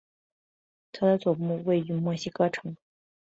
它的总部位于墨西哥城。